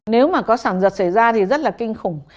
nếu mà có sản vật xảy ra thì rất là kinh khủng